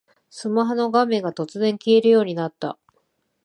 スマホの画面が突然消えるようになった